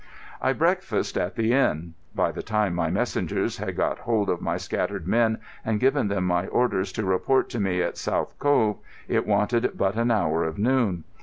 I breakfasted at the inn. By the time my messengers had got hold of my scattered men and given them my orders to report to me at South Cove, it wanted but an hour of noon.